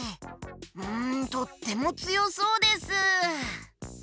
んとってもつよそうです！